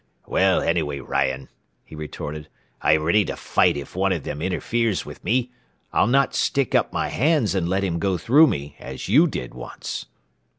"Well, anyway, Ryan," he retorted, "I am ready to fight if one of them interferes with me. I'll not stick up my hands and let him go through me, as you did once."